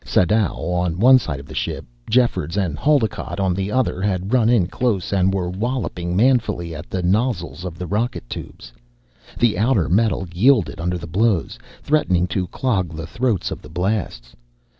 Sadau on one side of the ship, Jeffords and Haldocott at the other, had run in close and were walloping manfully at the nozzles of the rocket tubes. The outer metal yielded under the blows, threatening to clog the throats of the blasts.